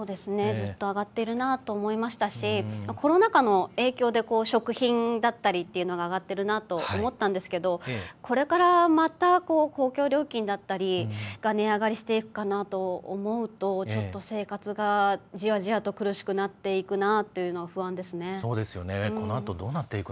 ずっと上がってるなと思いましたしコロナ禍の影響で食品だったりというのが上がってるなと思ったんですけどこれからまた公共料金だったりが値上がりしていくと思うとちょっと生活がじわじわと苦しくなっていくなと不安ですね。